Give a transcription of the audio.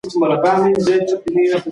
تکنالوژي زموږ ژوند په بشپړ ډول بدل کړی دی.